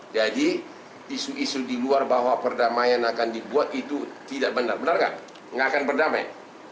jadi isu isu di luar bahwa perdamaian akan dibuat itu tidak benar benar gak gak akan berdamai